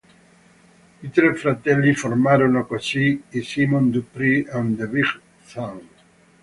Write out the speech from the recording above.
I tre fratelli formarono così i Simon Dupree and the Big Sound.